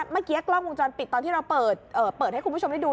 เมื่อกี้กล้องวงจรปิดตอนที่เราเปิดให้คุณผู้ชมได้ดู